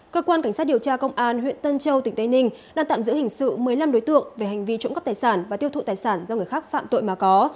cơ quan cảnh sát điều tra công an huyện tân châu tỉnh tây ninh đang tạm giữ hình sự một mươi năm đối tượng về hành vi trộm cắp tài sản và tiêu thụ tài sản do người khác phạm tội mà có